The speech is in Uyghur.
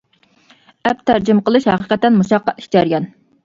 ئەپ تەرجىمە قىلىش ھەقىقەتەن مۇشەققەتلىك جەريان.